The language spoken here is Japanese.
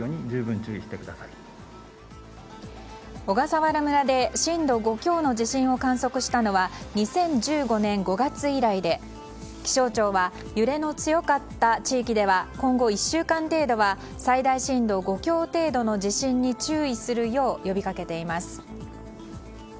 小笠原村で震度５強の地震を観測したのは２０１５年５月以来で気象庁は揺れの強かった地域では今後１週間程度は最大震度５強程度の地震に注意するよう呼びかけています。